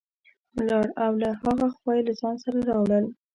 ولاړ او له ها خوا یې له ځان سره راوړل.